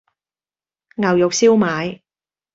牛肉燒賣